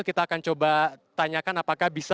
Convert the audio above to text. kita akan coba tanyakan apakah bisa